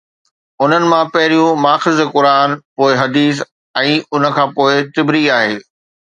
انهن مان پهريون ماخذ قرآن، پوءِ حديث ۽ ان کان پوءِ طبري آهي.